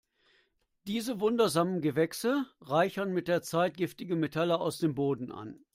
Diese wundersamen Gewächse reichern mit der Zeit giftige Metalle aus dem Boden an.